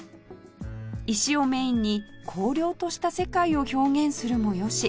石をメインに荒涼とした世界を表現するも良し